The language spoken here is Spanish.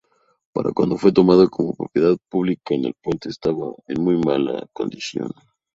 Para cuando fue tomado como propiedad publica, el puente estaba en muy mala condición.